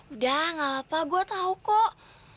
udah nggak apa gue tau kok